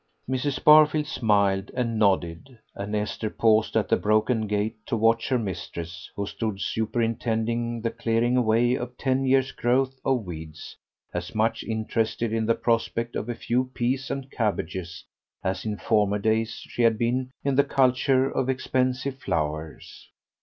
Mrs. Barfield smiled and nodded, and Esther paused at the broken gate to watch her mistress, who stood superintending the clearing away of ten years' growth of weeds, as much interested in the prospect of a few peas and cabbages as in former days she had been in the culture of expensive flowers.